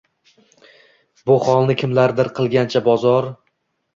Bu holni kimlardir qilgancha bozor